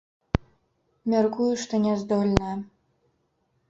Мяркую, што не здольная.